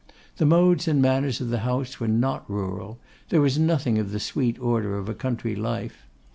The modes and manners of the house were not rural; there was nothing of the sweet order of a country life.